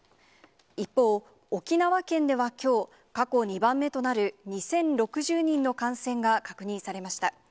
一方、沖縄県ではきょう、過去２番目となる２０６０人の感染が確認されました。